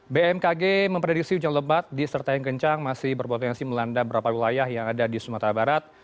bmkg memprediksi hujan lebat disertai kencang masih berpotensi melanda beberapa wilayah yang ada di sumatera barat